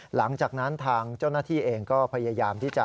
หลังจากนั้นทางเจ้าหน้าที่เองก็พยายามที่จะ